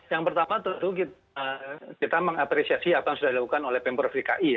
yang pertama kita mengapresiasi apa yang sudah dilakukan oleh pembur vki